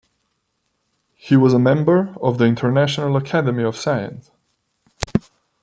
He was member of the International Academy of Science.